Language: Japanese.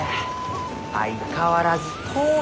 相変わらず遠い。